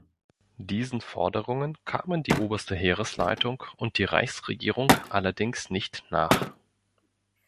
Diesen Forderungen kamen die Oberste Heeresleitung und die Reichsregierung allerdings nicht nach.